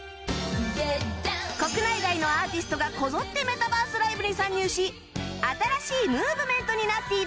国内外のアーティストがこぞってメタバース ＬＩＶＥ に参入し新しいムーブメントになっているんです